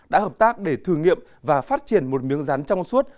đã hợp tác để thử nghiệm và phát triển một miếng rán trong suốt